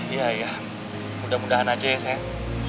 iya iya mudah mudahan aja ya sayang